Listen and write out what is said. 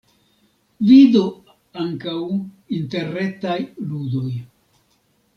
Vidu ankaŭ interretaj ludoj.